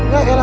gak ya lah